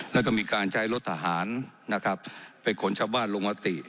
แล้วก็มีการใช้รถทหารนะครับไปขนชาวบ้านลงมติ